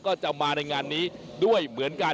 ก็จะมาในงานนี้ด้วยเหมือนกัน